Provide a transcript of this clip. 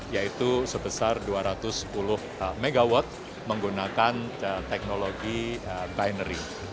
yaitu sebesar dua ratus sepuluh mw menggunakan teknologi binary